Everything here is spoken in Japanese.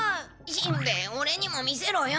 しんべヱオレにも見せろよ。